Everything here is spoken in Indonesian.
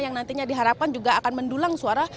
yang nantinya diharapkan juga akan mendulang suara